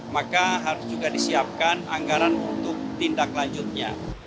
maka harus juga disiapkan anggaran untuk tindaklanjutnya